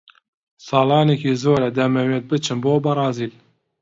ساڵانێکی زۆرە دەمەوێت بچم بۆ بەرازیل.